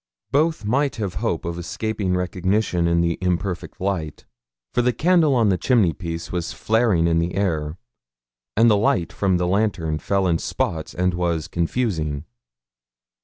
Both might have hope of escaping recognition in the imperfect light, for the candle on the chimneypiece was flaring in the air, and the light from the lantern fell in spots, and was confusing.